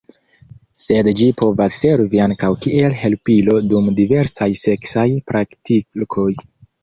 Sed ĝi povas servi ankaŭ kiel helpilo dum diversaj seksaj praktikoj.